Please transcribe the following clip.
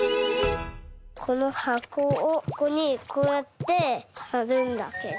このはこをここにこうやってはるんだけど。